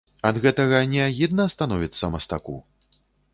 Ад гэтага не агідна становіцца мастаку?